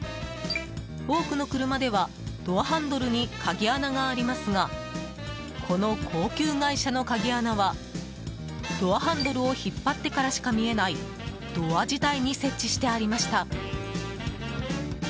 多くの車ではドアハンドルに鍵穴がありますがこの高級外車の鍵穴はドアハンドルを引っ張ってからしか見えないドア自体に設置してありました。